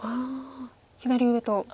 左上と。